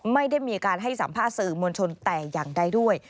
ไม่ได้มีการให้สัมภาษณ์สื่อมวลชนแต่อย่างใดด้วย